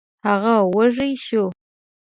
هغه وږی شو.